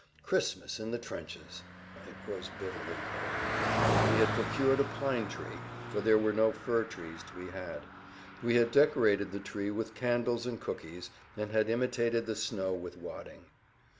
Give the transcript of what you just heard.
Christmas in the trenches! It was bitterly cold. We had procured a pine tree, for there were no fir trees to be had. We had decorated the tree with candles and cookies, and had imitated the snow with wadding.